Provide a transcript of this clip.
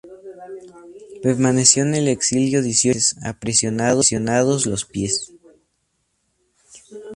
Permaneció en el exilio dieciocho meses, aprisionados los pies.